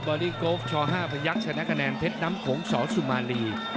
บอลลี่โกลฟช่อ๕พยักษ์ชนะกระแนนเทศน้ำโขงสสุมาลี